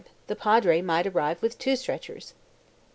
The Padre might arrive with two stretchers.